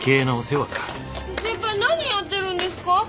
先輩何やってるんですか？